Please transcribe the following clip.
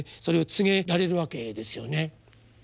それを告げられるわけですよね。